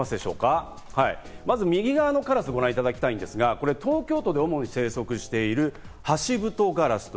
まず右側のカラスをご覧いただきたいんですが、東京都で主に生息しているハシブトガラス。